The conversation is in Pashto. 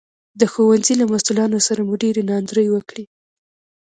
د ښوونځي له مسوولانو سره مو ډېرې ناندرۍ وکړې